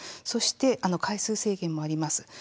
そして、回数制限もあります。